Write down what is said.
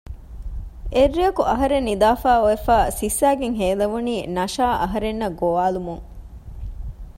އެއްރެއަކު އަހަރެން ނިދާފައި އޮވެފައި ސިއްސައިގެން ހޭލެވުނީ ނަޝާ އަހަރެންނަށް ގޮވާލުމުން